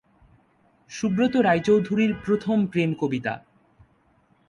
সুব্রত রায়চৌধুরীর প্রথম প্রেম কবিতা।